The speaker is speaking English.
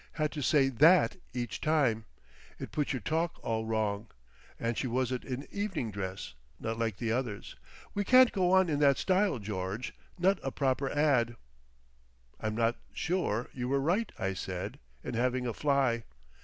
Had to say that each time. It puts your talk all wrong. And she wasn't in evening dress, not like the others. We can't go on in that style, George—not a proper ad." "I'm not sure you were right," I said, "in having a fly."